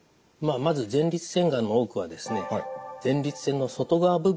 まず前立腺がんの多くはですね